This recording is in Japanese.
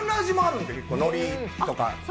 のりとか。